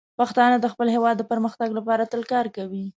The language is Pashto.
پښتانه د خپل هیواد د پرمختګ لپاره تل کار کوي.